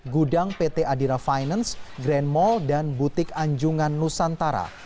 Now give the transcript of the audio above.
gudang pt adira finance grand mall dan butik anjungan nusantara